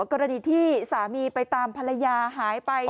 กรณีที่สามีไปตามภรรยาหายไป